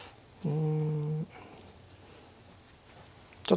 うん。